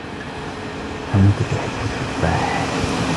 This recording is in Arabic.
أنت تحب التفاح.